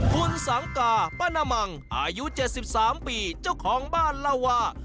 คุณสังกาป้านมังอายุ๗๓ปีเจ้าของบ้านเล่าว่า